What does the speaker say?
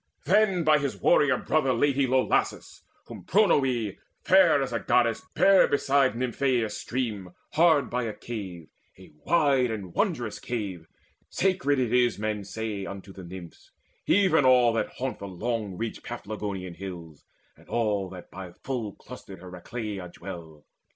Then by his warrior brother laid he low Lassus, whom Pronoe, fair as a goddess, bare Beside Nymphaeus' stream, hard by a cave, A wide and wondrous cave: sacred it is Men say, unto the Nymphs, even all that haunt The long ridged Paphlagonian hills, and all That by full clustered Heracleia dwell.